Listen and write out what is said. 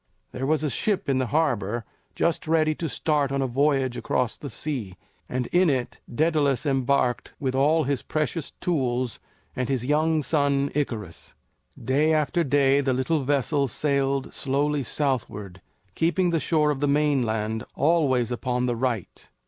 There was a ship in the harbor just ready to start on a voyage across the sea, and in it Daedalus embarked with all his precious tools and his young son Icarus. Day after day the little vessel sailed slowly southward, keeping the shore of the mainland always upon the right.